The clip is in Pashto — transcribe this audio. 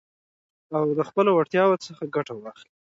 او د خپلو وړتياوو څخه ګټه واخلٸ.